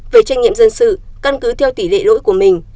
về trách nhiệm dân sự căn cứ theo tỷ lệ lỗi của mình